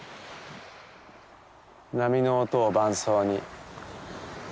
波の音を伴奏に。